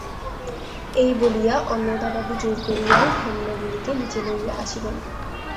এই বলিয়া অন্নদাবাবু জোর করিয়াই হেমনলিনীকে নীচে লইয়া আসিলেন।